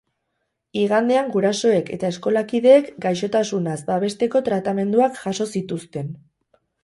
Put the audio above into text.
Igandean gurasoek eta eskolakideek gaixotasunaz babesteko tratamenduak jaso zituzten.